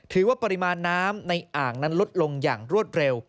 ถือว่าปริมาณน้ำในอ่างนั้นลดลงอย่างรวดเร็ว